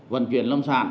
vận chuyển lâm sản